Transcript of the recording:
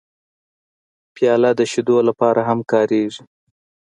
پیاله د شیدو لپاره هم کارېږي.